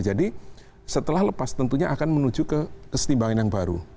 jadi setelah lepas tentunya akan menuju ke kesetimbangan yang baru